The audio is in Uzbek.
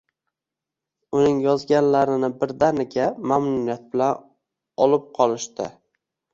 Uning yozganlarini birdaniga, mamnuniyat bilan olib qolishdi